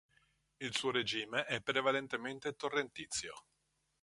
Il suo regime è prevalentemente torrentizio.